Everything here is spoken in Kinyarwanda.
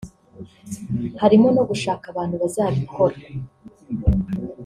Harimo no gushaka abantu bazabikora